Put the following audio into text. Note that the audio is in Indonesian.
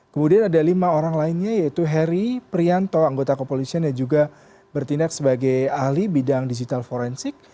kemudian ada lima orang lainnya yaitu heri prianto anggota kepolisian yang juga bertindak sebagai ahli bidang digital forensik